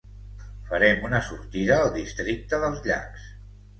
Farem una sortida al districte dels llacs.